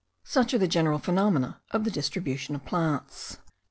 Such are the general phenomena of the distribution of plants.